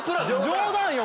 冗談よ！